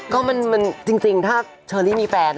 ก็มันจริงถ้าเชอรี่มีแฟน